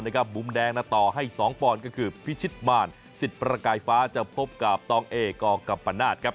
มุมแดงต่อให้๒ปอนด์ก็คือพิชิตมารสิทธิ์ประกายฟ้าจะพบกับตองเอกัมปนาศครับ